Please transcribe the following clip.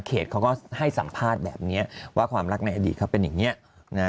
เขาก็ให้สัมภาษณ์แบบนี้ว่าความรักในอดีตเขาเป็นอย่างนี้นะ